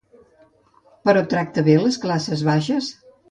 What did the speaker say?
Però tracta bé les classes baixes?